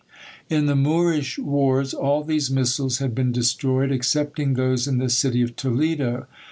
In the Moorish wars, all these missals had been destroyed, excepting those in the city of Toledo.